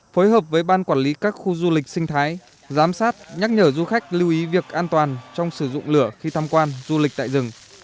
phối hợp với ban quản lý các khu du lịch sinh thái giám sát nhắc nhở du khách lưu ý việc an toàn trong sử dụng lửa khi tham quan du lịch tại rừng